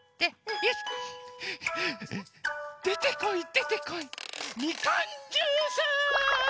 よし！でてこいでてこいみかんジュース！